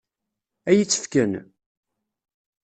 Ad iyi-tt-fken?